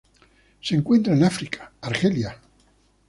Se encuentran en África: Argelia.